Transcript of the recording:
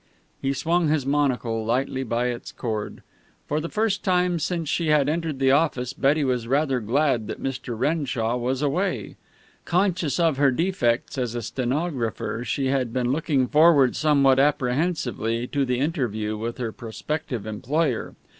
He swung his monocle lightly by its cord. For the first time since she had entered the office Betty was rather glad that Mr. Renshaw was away. Conscious of her defects as a stenographer she had been looking forward somewhat apprehensively to the interview with her prospective employer.